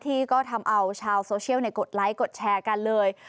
ที่ก็ทำเอาชาวโซเชียลกดไลค์กดแชร์กันเลย